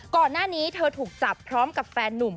ก่อนหน้านี้เธอถูกจับพร้อมกับแฟนนุ่ม